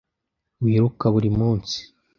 Wiruka buri munsi?